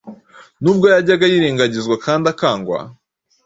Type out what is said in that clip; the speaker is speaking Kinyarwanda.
nubwo yajyaga yirengagizwa kandi akangwa,